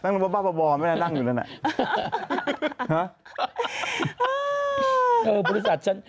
นั่งลำผมคุณดิ